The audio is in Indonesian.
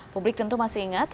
publik tentu masih ingat